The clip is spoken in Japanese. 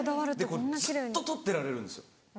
これずっと撮ってられるんですよ。